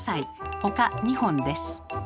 ほか２本です。